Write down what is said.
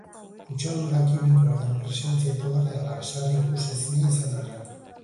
Kutsadura kimikoaren presentzia itogarria da, sarri ikusezina izan arren.